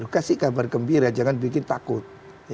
kasih gambar gembira jangan bikin takut